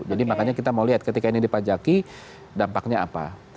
jadi makanya kita mau lihat ketika ini dipajaki dampaknya apa